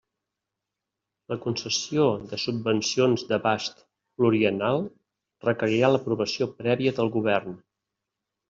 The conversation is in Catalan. La concessió de subvencions d'abast pluriennal requerirà l'aprovació prèvia del Govern.